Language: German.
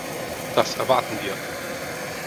Das erwarten wir!